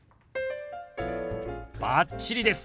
バッチリです。